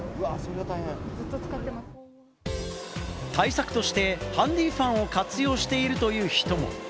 対策としてハンディファンを活用しているという人も。